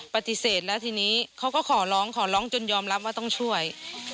ปฏิเสธแล้วทีนี้เขาก็ขอร้องขอร้องจนยอมรับว่าต้องช่วย